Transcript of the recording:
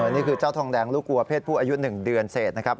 นี่คือเจ้าทองแดงลูกวัวเพศผู้อายุ๑เดือนเศษนะครับ